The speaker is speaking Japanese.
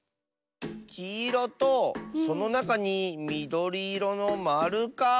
きいろとそのなかにみどりいろのまるか。